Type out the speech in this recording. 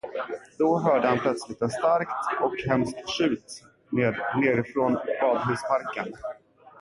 Då hörde han plötsligt ett starkt och hemskt tjut nerifrån badhusparken.